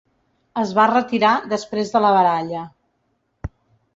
Es va retirar després de la baralla.